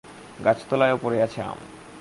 গাছতলায়ও পড়ে আছে আম।